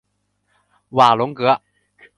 瓦龙格。